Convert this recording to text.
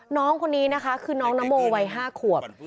น้องคนนี้นะคะคือน้องนโมวัย๕ขวบ